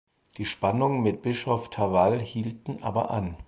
Die Spannungen mit Bischof Tavel hielten aber an.